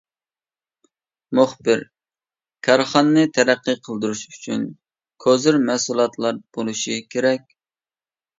مۇخبىر: كارخانىنى تەرەققىي قىلدۇرۇش ئۈچۈن، كوزىر مەھسۇلاتلار بولۇشى كېرەك.